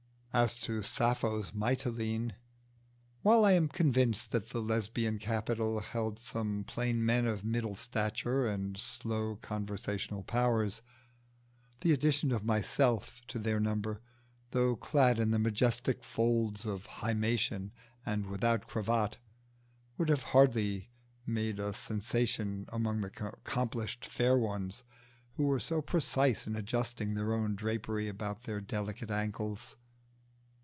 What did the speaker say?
As to Sappho's Mitylene, while I am convinced that the Lesbian capital held some plain men of middle stature and slow conversational powers, the addition of myself to their number, though clad in the majestic folds of the himation and without cravat, would hardly have made a sensation among the accomplished fair ones who were so precise in adjusting their own drapery about their delicate ankles.